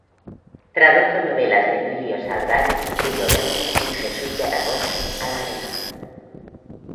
Tradujo novelas de Emilio Salgari, Julio Verne y jesús de Aragón al alemán.